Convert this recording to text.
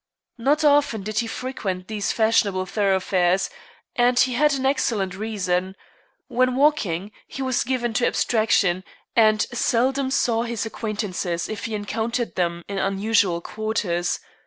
Not often did he frequent these fashionable thoroughfares, and he had an excellent reason. When walking, he was given to abstraction, and seldom saw his acquaintances if he encountered them in unusual quarters.